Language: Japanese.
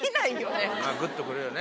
グっとくるよね。